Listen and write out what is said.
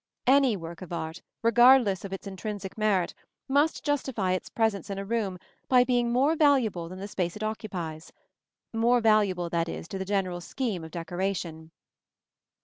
Any work of art, regardless of its intrinsic merit, must justify its presence in a room by being more valuable than the space it occupies more valuable, that is, to the general scheme of decoration.